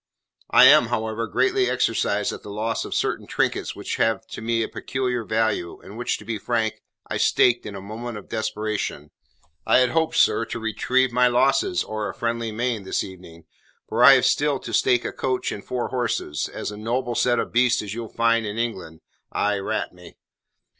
"I am, however, greatly exercised at the loss of certain trinkets which have to me a peculiar value, and which, to be frank, I staked in a moment of desperation. I had hoped, sir, to retrieve my losses o'er a friendly main this evening, for I have still to stake a coach and four horses as noble a set of beasts as you'll find in England, aye rat me.